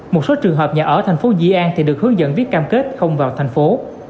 một số trường hợp nhà ở thành phố di an thì được hướng dẫn viết cam kết không vào thành phố